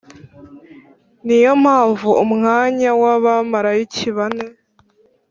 niyo mpamvu umwanyaw’abalayiki bane